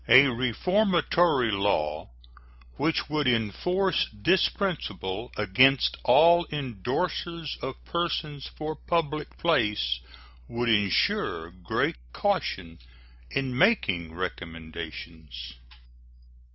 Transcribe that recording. A reformatory law which would enforce this principle against all indorsers of persons for public place would insure great caution in making recommendations.